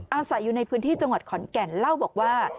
อาศัยอยู่ในพื้นที่จังหวัดขอนแก่นเล่าบอกว่า